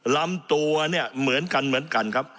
ลำตัวเนี่ยเหมือนกันเหมือนกันครับ